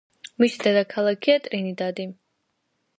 მისი დედაქალაქია ტრინიდადი.